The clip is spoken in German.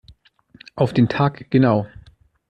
Auf den Tag genau.